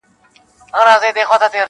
هم خوارځواکی هم ناروغه هم نېستمن وو-